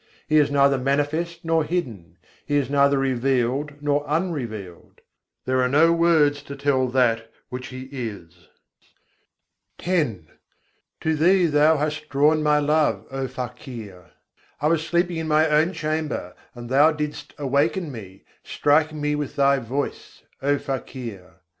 He is neither manifest nor hidden, He is neither revealed nor unrevealed: There are no words to tell that which He is. X I. 121. tohi mori lagan lagâye re phakîr wâ To Thee Thou hast drawn my love, O Fakir! I was sleeping in my own chamber, and Thou didst awaken me; striking me with Thy voice, O Fakir!